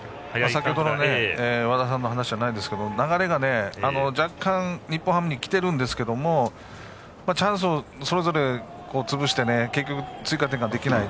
先ほどの和田さんの話じゃないですが流れが若干、日本ハムにきているんですけどもチャンスをそれぞれつぶして結局追加点ができない。